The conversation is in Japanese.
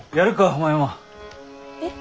お前も。えっ？